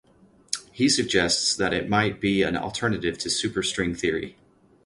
He suggests that it might be an alternative to superstring theory.